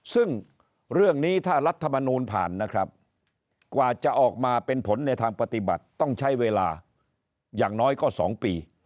ซึ่งเรื่องนี้ถ้ารัฐมนูลผ่านนะครับกว่าจะออกมาเป็นผลในทางปฏิบัติต้องใช้เวลาอย่างน้อยก็๒ปี